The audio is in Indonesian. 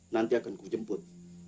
nanti akan kujemput